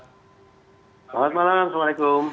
selamat malam assalamualaikum